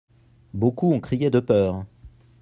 Beaucoup ont crié de peur.